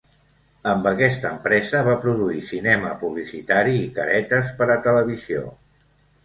Amb aquesta empresa va produir cinema publicitari i caretes per a televisió.